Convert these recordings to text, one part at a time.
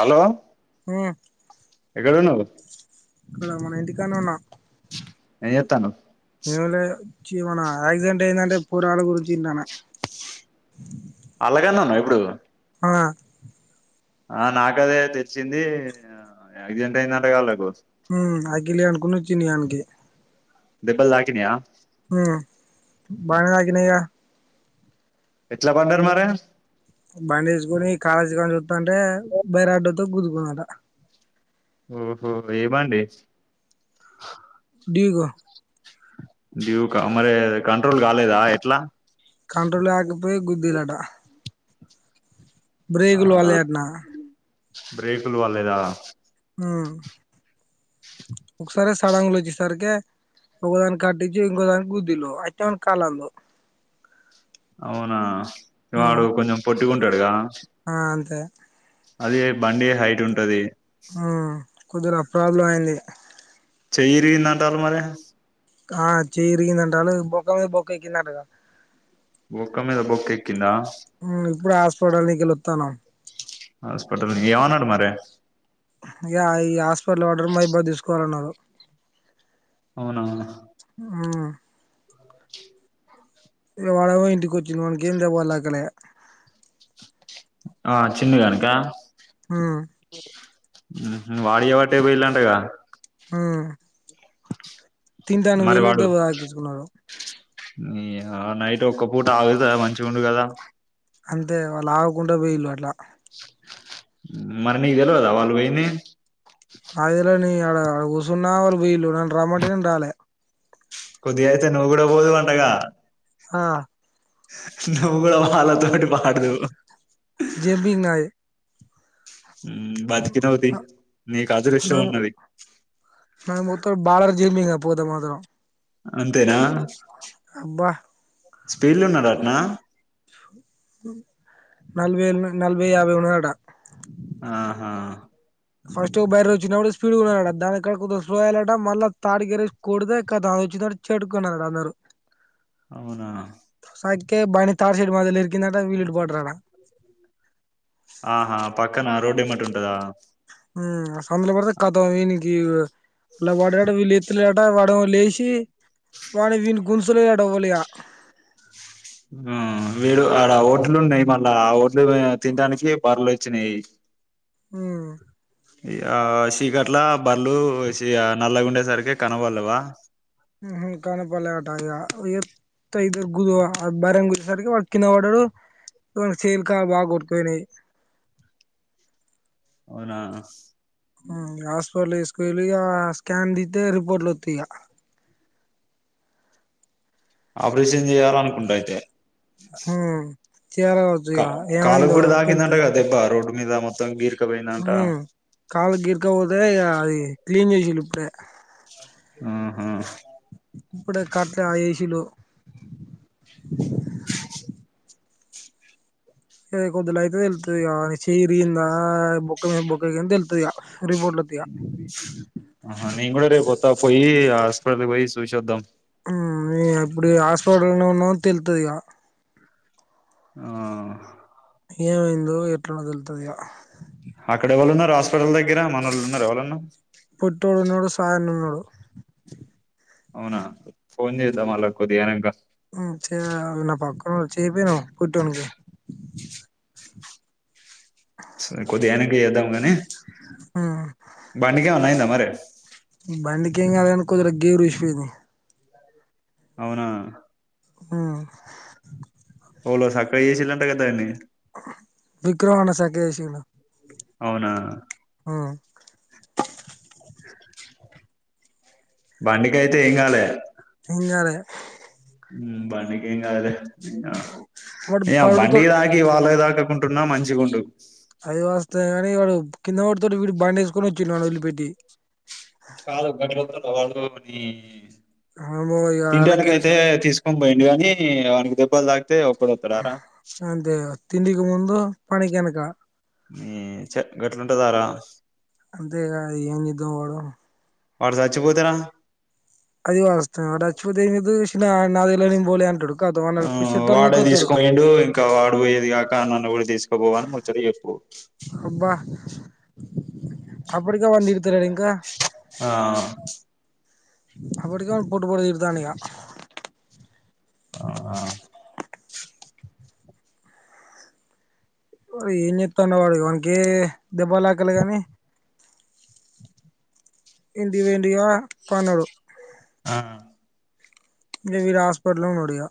Hello ఆ ఎక్కడున్నావ్ అక్కడ మన ఇంటి కనునా ఏం చేతనావ్ మన యాక్సిడెంట్ అయిందంటే పోరాల గురించి వింటాన్న వాళ్ల కన్నా న ఇప్పుడు ఆ ఆ నాకదే తెచ్చింది యాక్సిడెంట్ అయిందంట కదా వాళ్లకు హ్మ్ అఖిల్ గానికి ను చిన్ను గానికి దెబ్బలు దాకినయా బాగా తగినయ్ గా ఎట్లా పడ్డర్ మరి బండి వేసుకొని కాలేజీకనుంచి వస్తానంటే బారే అడ్డొ ఇంత కుదుకున్నాట ఓహో ఏ బండి డిగో డ్యూక మరి కంట్రోల్ కలేదా ఎట్లా కంట్రోల్ ఆకపోయి గుద్దిఅట ఆహ బ్రేకులు పడలేదట్నా బ్రేక్లు పడలేదా ఆ అ ఒకసారి సడంగు లో వచ్చిసరికిే ఒకదాని కటించిి ఇంకో దానికి గుద్దిలు అయితే వానికి కాలందవు అవునా ఇ వాడు కొంచెం పోట్ ట్టిగా ఉంటాడుగా ఆ అంతే అది బండి హైట్ ఉంటది ఆ కొద్దిగా ప్రాబ్లం అయింది చేయ్యే విరిగింది అంటల్లు మరి ఆ చెయ్యి విరిగింది అంటల్లు బొక్క మీద బొక్క అక్కిందంట కదా బొక్క మేద బొక్క ఎక్కింద ఇప్పుడే హాస్పిటల్క కేళివాతానం హాస్పిటల్ ఎవనాడు మరి ఇ ఈ హాస్పిటల్ వాడరు మైబా తీసుకోవాలన్నారు అవునవునా ఆ ఇగ వాడేమో ఇంటికి వచ్చిండు వాని కేం దెబ్బలు తకలే ఆ చిన్నగానీకా ఆ వాడు చేయబట్టే పోయిలాంటగా ఆ తింటానికి మరి పొఇల్లు వాడు దెబ్బ తాకించుకున్నారు ఈ ఆ నైట్ ఒక్క పూట ఆగుతే మంచిగా ఉండు కదా అంతే వాళ్ళు ఆగకుండా పోేయిలుు అట్లా మరి నీకు తెలువదా వాళ్ళు పోయిది నాకు తెలువది ఆడ ఆడ కూసున్న వాళ్ళు పోయిల్లు నన్ను రమ్మంటే నిను రాలె కొద్దిగా అయితే నువ్వు కూడా పోదు వండగా ఆ నువ్వు కూడా వాళ్ళ తోని జీబి నాది బతికినవుతి నీకు అదృష్టం నాకు ఉన్నది జిమ్మింగ పోతే మాత్రం అంతేనా అబ్బా స్పీడ్ లా ఉన్నడాటన నలభై నలభై యాభై ఉన్నడటా ఆహా ఫస్ట్ బయర్ వచ్చినప్పుడు స్పీడ్ గున్నాడు దానిక్కడ కొంత స్లోయలాట మళ్ళ తాడ్ గేరేసి కొడితే కథ వచ్చినడు చెటుకున్నాడు అందరు అవున కే బండి తాటసెట్టు మధలో కిరింకిందంట వీలీట్టు పద్దరట అహా పక్కన రోడ్ పేమెంట్ ఉంటదా ఉమ్ సందులబర్తే ఖతం ఈనికి ఈవ్ అలా వాడాడు వీలేతలేడట వాడో లేచి వాణివీన్ గున్సులేడాటా వోలియా ఉమ్ వీడు అడ ఓట్లు ఉన్నాయి మళ్ళా ఆ ఓట్లు తింటానికి బర్లు వచ్చినాయి ఉమ్ ఈగ చీకట్ల బర్లు నల్లగుండెసర్కి కనబడలేవ ఉహు కనపలే అట ఇగా ఎత్త ఇద్దరు బర్రెను గుద్దెసరికి వాడు కింద పడాడు వాడికి చెయ్లు కాల్లు బాగా కోట్కపోనై అనా హ్మ్ హాస్పిటల్ ఎస్కేల్లి ఇగా స్కాన్ దితే రిపోర్ట్లు వత్తే ఇగ ఆపరేషన్ చేయాలనుకుంట ఐతే ఉమ్ చేరవచు కా ఇగ కాలుకు ఏమైందో కూడా తాకిందంట తెల్తది కదా దెబ్బ రోడ్డు మీద మొత్తం గీర్కు హ్మ్ కాల్ గిర్క పొదె ఇగ అది క్లీన్ చేసిన్లు అంతే ఆహా ఇప్పుడే కట్లా ఎషిన్లు ఏద కొద్దిలైతే తెల్తదిగ అహ్ చెయ్ ఎర్గిందా బొక్క మీద బొక్క ఎరిగింద తెల్తది ఇగ రిపోర్ట్ వత్తయి ఇగ అహ్ నేను కూడా రేప్ వత్త పోయి ఇగ ఎప్పుడైతే పోయ్ సూశోద్దాం ఉమ్ అప్పుడిగ హాస్పిటల్లో నే ఉన్నావని తెల్తదిగ ఆ ఏమైందో ఎట్లునదో తెల్తదిగా అక్కడ ఎవ్వళ ఉన్నారు హాస్పిటల్ దగ్గర మనోళ్లు ఉన్నార్ ఎవలన్నా పొట్టొడున్నాడు సాయన్న వున్నాడు అవునా ఫోన్ చేసా వాళ్ళక్ కొద్ది గైనంకా ఉమ్ చెపొనవ్ పొట్టొనికి సరే కొద్దిగ ఐనాకి చేద్దాముగానే ఉమ్ బండిగవల్న మరే బండికి ఏం కాదని కొద్దిగ గేర్ రూసిపోయింది అవునా ఉమ్ ఎవలో సక్క చేసిందంటాగా దానీ విక్రమన్న సక్క చేసిండు అవునా హ్మ్మ్ బండికయితే ఏం కాలే ఏంకాలే ఊ బండికేంకాలే వాడు నీయవ్వ పడుతాడు బండికిదాకి వాళ్ళకు తా డుకుంటున్నా మంచిగుండు అది వాస్తవమే కాని వడు కింద వడుడుతోటి వీడు బండేసుకొని వచ్చిండు వాన్నోదిలి పెట్టి కాదు గట్ వాళ్ళ నీ [unintelligible] వామ్మో ఇగ ఆళ్ళకే తింటానికి ఎరక అయితే తీసుకొని పోయిండు కానీ అవనికి దెబ్బల్ తాకి అంతే కదా తిండికి ముందు పనికెనుక హ్మ్మ్ చ గట్లుంటదారా అంతేగా ఏం చేద్దాం వాడు వాడ్ సచ్చిపోతెనా అది వాస్తవమే వాడు సచ్చిపోతే ఏం చేద్దువు చిన్నగ నాకు తెలువనీ బోలే అంటడు ఆ వాడేతీసుకపోయిండు ఇంకా వాడు పోయేది కాక నన్ను కూడ తీ తీసుకపోవు అని ముచ్చట చెప్పు అప్పుటికే వాన్ని తిడుతలేడా ఇంకా ఆ అప్పటికే వాడు పొట్టుపొట్టుదిడుతాండు ఇగ ఆ ఏం చేత్తాండో వాడు వానకే దెబ్బల్తాకలే గానీ ఇండి వి విండుగా పనుడు ఆ ఇగ వీడు హాస్పటల్లనే ఉన్నడిగ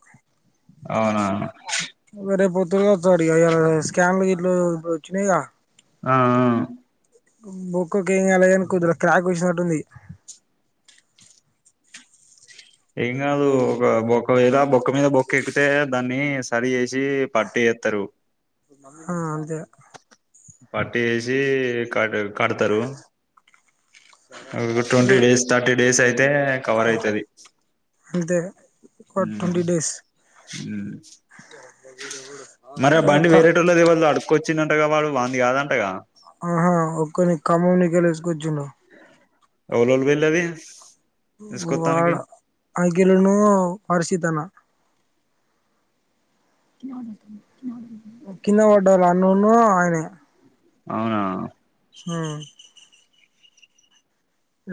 అవునా [unintelligible] వత్తాడు ఇగ ఇయాల స్కాన్లు ఇట్లు వచ్చినయి గా ఆ బొక్కకి ఏంకాలే కాని కుదిర క్రాక్ వొచ్చినట్టుంది ఏం కాదు ఒక బొక్క ఏదా బొక్క మీద బొక్క ఎక్కితే దాన్ని సరి చేసి పట్టి ఏత్తరు ఆ అంతే పట్టి వేసి కట్ కడతరు అది ఒక ఇగ ట్వంటీ డేస్ థట్టీ డేసై తే కవర్ అయితది అంతే ఒక మ్మ్ ట్వంటీ డేస్ మరి ఆ బండి త వేరేటోళ్ళది వాళ్ళు అడుకుొచ్చినట్టుగా వాళ్ళు ది కాదంటగా ఆహా ఓకని కమ్మం నిగల్ ఎందుకొచ్చిండు ఎవులల్ విల్లవి వాళ అఐగళలను అర్షిత్ అన్న కింద పడ్డారు అన్నును ఆయనే అవునా హ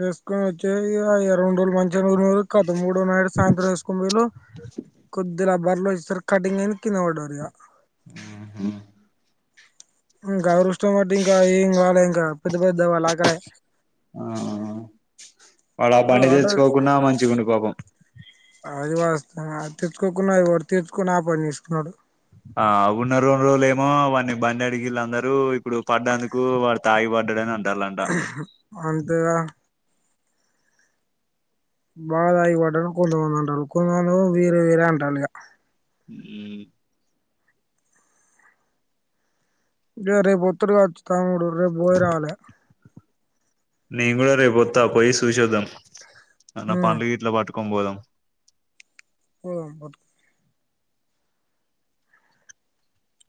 వేసుకొని వచ్చే ఇగ ఇగ రొండు రోజులు మంచి ఊరు మీరు కాదు మూడో నాడు సాయంత్రం వేసుకొని పొయిల్లు కొద్ది బర్లో యిస్తార్ కటింగ్ కింద పడ్డారు ఇగ హ్మ్ మ్మ్ గదురుస్త్ చోమటి ఇంకా ఏం గాలే ఇంగ పెద్ద పెద్దవళ్లాకడే ఆ వాళ్ళ పని ఆటో తెచ్చుకోకుండా మంచి గుని కోపం అది వాస్తవమే తెచ్చుకోకున్నాఅయిపోవ్ తెచ్చుకొని ఆ పని చేసుకున్నాడు ఆ ఉన్న రోండు రోజులు ఏమో వాడిని బండి అడికిీళ్ళ అందరు ఇప్పుడు పడ్డందుకు వాడు తాయి పడ్డాడని అంట అంతే గద బాగా తాగి పడ్డరు కొంతమంది అంటరు కొంతమంది వీరే వీరే అంటాలి ఇక మ్మ్ ఇగ రేపు ఒత్తురీగా వచ్చి తాముడు రేపు పోయ్ రావాలే నేను కూడా రేపుొత్తా పోయి సూసోదం ఆ ఉమ్ పండ్లు గిట్ల పట్ కంబోధం హు [unintelligible]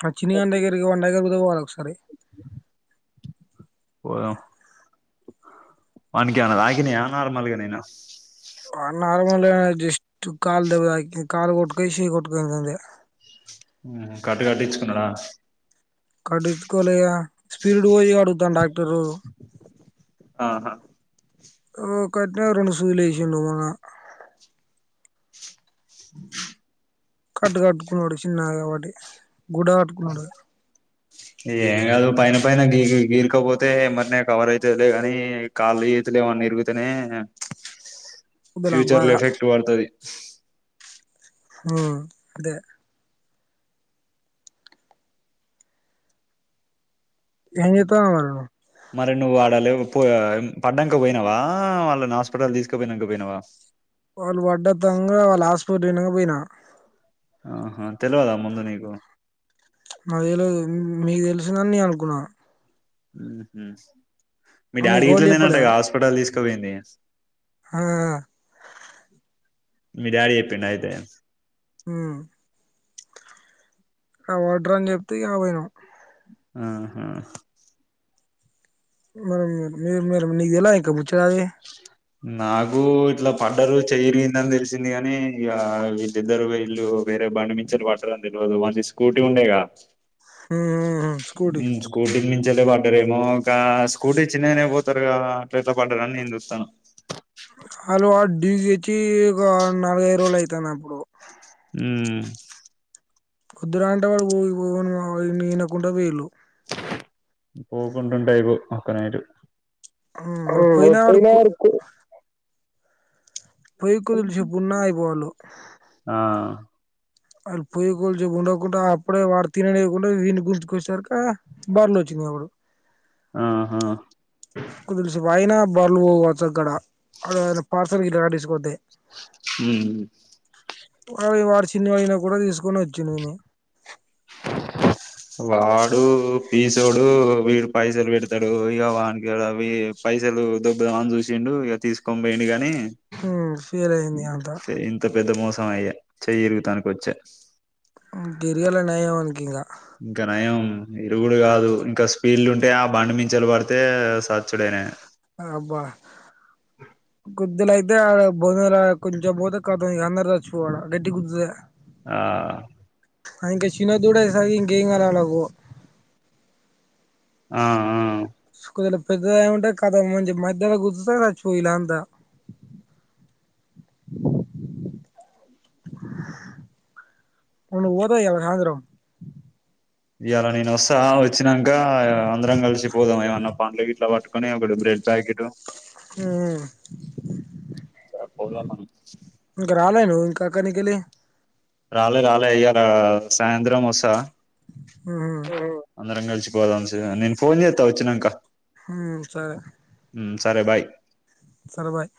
ఆ చిన్ని గాని దగ్గరకి వాన్ దగ్గరక్ నువ్ వాళ ఒకసారి పొదం వానికి ఏమన్న తాకినయ నార్మల్గా నేనా హ్మ్ లేదన్న జస్ట్ కాల్ దెబ తాకింది కాలు కోట్కేసి ఇది కొట్టుకంతంద మ్మ్ కట్టు కట్టించుకున్నాడా కట్టిచుకోలేద్ అన్న స్పీడ్ పోయిర అడుగుతాండ్ డాక్టరు ఆహా ఒకటో రొండు సూదులు ఎషిర్రు మళ్ళ కట్టు కట్టుకున్నాడు చిన్నగా వాటి గుడ కటుకున్నాడు ఏం కాదు పైన పైన గీ గీ గీర్కపోతే మరినా కవర్ అయితులే కాని కాళ్ళు చేతులు ఏమని ఇరుగుతేనే పొద్దున ఫ్యూచర్ల బాగా ఎఫెక్ట్ వడుతుది ఉ అంటే ఏం జేత్తవ్ అవ్వ నువ్వు మరి నువ్వు ఆడా లెవ్ పో పడ్డంక పోయినావా వాళ్ళని హాస్పిటల్ తీసుకపోయినంక పోయినావా వాళ్ళు పడ్డ దంగా వాళ్ళు హాస్పిటల్ పోయినాక పోయిన ఆహా తెలవదా ముందు నీకు నాకు తెలవదు మీకు తెలు నన్నీ అనుకున్నా అ హ మీ డాడీ నీకెవలు చెప్పలే గిట్లనేనాటగా హాస్పిటల్ తీసుకు వెంది ఆ మీ డాడీ చెప్పిండా అయితే ఉ ఆ వడ్రంగి చెప్తే ఇగ పోయినం ఆ హా మరి మీరు మీరు నీకు తెల్వదా బుచ్చగనిది నాకు ఇట్లా పడ్డరు చేయి ఇరిగిందని తెలిసింది కాని ఇక వీళ్ళిద్దరు వేయిళ్ళు వేరే బండి మించలి పడ్డరని తెలవదు వాంది స్కూటీ ఉండేగా ఉమ్ స్కూటీ ఉ స్కూటీ మించలే వడ్ ఏమో అక్క స్కూటీ చిన్నగానే పోతారు కదా అట్లా ఏ పడ్డరని నేను చూస్తాన. అలో డీజే కి ఒక నాలుగైదు రోజులు అయితాంది అప్పుడు. ఉ వద్దురా అంటే వాడు ఊరికి పోన్ మామ అని ఇనకుంట పోయిళ్ళు పోకుంట ఉంటే ఐపోవ్ ఒక్క నైట్ ఆ పోయినా వాడు ఒప్పాయినా అడుక్కు పోయి కొద్దిషేపు ఉన్న ఐపోళ్ళు. ఆ వాళ్ళు పోయ్ కోదిసేపు ఉండకుండా అప్పుడే వాడు తిననివ్వకుండా వీన్ని గుంజుకచ్చే వరకి ఆ బర్లు అచ్చి మీద పడు ఆహా కొద్దిసేపు ఆగినా బర్లు పోవచ్చు కావచ్చు అక్కడ అడా ఎమన్నా పార్సల్ గిట్లా కట్టించుకుంటే ఉ అ వాడు చిన్నివయినా కూడా తీసుకొని వచ్చిండు విన్ని వాడు పీసోడు వీడు పైసలు పెడతాడు, ఇక వాని కాడ పైసలు దోబ్బుదాం అని చూసిండు ఇక తీసుకొని పోయిండు గని ఉ ఫీల్ అయ్యింది అంత ం అయ్యా చెయి తిరుగుతానికి వచ్చా ఇరగలే నయం వానికి ఇగ ఇంకా నయం ఇరుగుడు కాదు ఇంకా స్పీడ్లు ఉంటే ఆ బండి మించలి పడితే స అబ్బా కొద్దుల అయితే ఆ బొందల కొంచెం పోతే ఖతం అందర్ సచ్చిపోవుడే గట్టిగ గుద్దతే ఆ అ ఇంకా చిన్న దూడ సాది ఇంకేయింగాలాలకు అ ఆ [unintelligible] పెద్దది అయి ఉంటే కద మంచి మధ్యలో గుద్దుతే చచ్చిపోవు వీళ్లంతా, నువ్ వోతాం ఇయాల సాయంత్రం ఇయాలా నేను వస్సా వచ్చినాంక అందరం కలిసి పోదాం. ఏమన్నా పండ్లు గిట్లా పట్టుకొని ఒక బ్రెడ్ ప్యాకెట్ హ్మ్ పోదాం మనం ఇంక రాలేను ఇంక కెలి రాలే రాలే అయ్యగారు సాయంత్రం వస్సారా ఉమ్ హు అందరం కలిసిపోదాం సీజన్ నేను ఫోన్ చేత్తా వచ్చినాంక హ్మ్ సరే మ్మ్ సరే బాయ్ సరే బాయ్